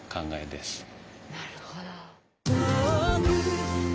なるほど。